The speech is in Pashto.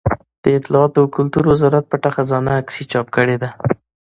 د اطلاعاتو او کلتور وزارت پټه خزانه عکسي چاپ کړې ده.